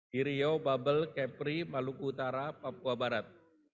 di riau bubble kepri maluku utara papua barat